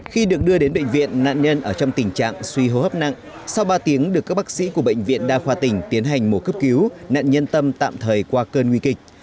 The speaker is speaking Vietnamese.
khi được đưa đến bệnh viện nạn nhân ở trong tình trạng suy hô hấp nặng sau ba tiếng được các bác sĩ của bệnh viện đa khoa tỉnh tiến hành mổ cấp cứu nạn nhân tâm tạm thời qua cơn nguy kịch